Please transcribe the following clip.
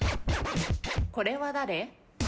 これは誰？